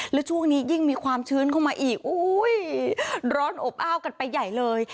แล้วช่วงนี้ยิ่งมีความชื้นเข้ามาอีกร้อนอบอ้าวกันไปใหญ่เลย